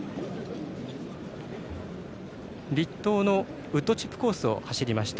栗東のウッドチップ・コースを走りました。